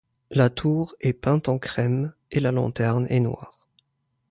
La tour est peinte en crème et la lanterne est noire.